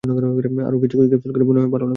আর কিছু ক্যাপসুল খেলে মনে হয় ভালো লাগবে।